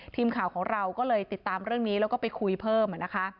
ทีมข่าวของเราก็เลยติดตามเรื่องนี้แล้วก็ไปคุยเพิ่มนะคะ